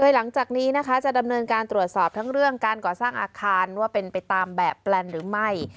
หลังจากนี้นะคะจะดำเนินการตรวจสอบทั้งเรื่องการก่อสร้างอาคารว่าเป็นไปตามแบบแปลนหรือไม่